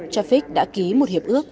trayfix đã ký một hiệp ước